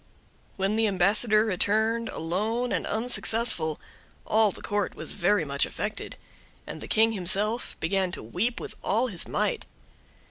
When the ambassador returned, alone and unsuccessful, all the court was very much affected, and the King himself began to weep with all his might.